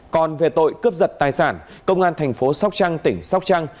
còn về tội cướp giật tài sản công an thành phố sóc trăng tỉnh sóc trăng